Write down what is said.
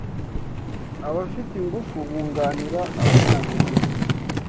abafite ingufu bunganire abanyantegenke;